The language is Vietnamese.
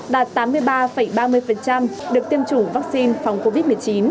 đạt tám mươi ba ba mươi được tiêm chủng vaccine phòng covid một mươi chín